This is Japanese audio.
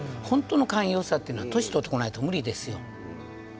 本当の寛容さっていうのは年取ってこないと無理ですよ。